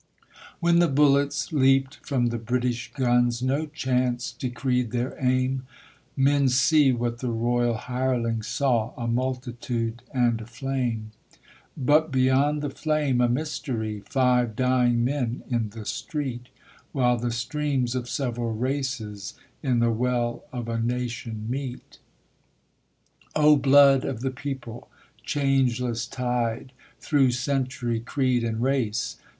When the ballets leaped from the British guns, no chance decreed their aim: Men see what the royal hirelings saw a multitude and a Bui beyond the amr, a mystery; five dying men in the street, While the streams of several races in the well of a nation I CEISPU8 ATTUCKS O, blood of the people! changeless tide, through century, creed and race!